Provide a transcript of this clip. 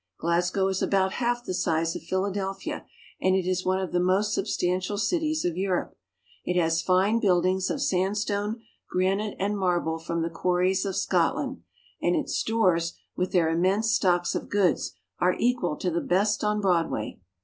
Glasgow is about half the size of Philadelphia, and it is one of the most substantial cities of Europe. It has fine buildings of sandstone, granite, and marble from the quarries of Scotland, and its stores, with their immense stocks of goods, are equal to the best on Broadway.